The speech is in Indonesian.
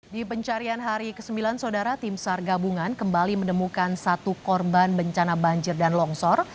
di pencarian hari ke sembilan saudara tim sar gabungan kembali menemukan satu korban bencana banjir dan longsor